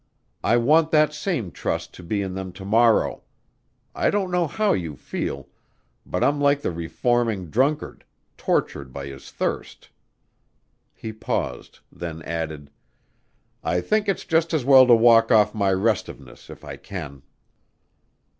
I want that same trust to be in them to morrow.... I don't know how you feel, but I'm like the reforming drunkard tortured by his thirst." He paused, then added, "I think it's just as well to walk off my restiveness if I can."